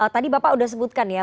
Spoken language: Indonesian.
tadi bapak sudah sebutkan ya